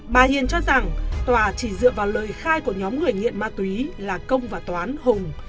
bà hiền cho rằng tòa chỉ dựa vào lời khai của nhóm người nghiện ma túy là công và toán hùng